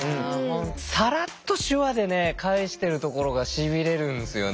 さらっと手話でね返してるところがしびれるんですよね。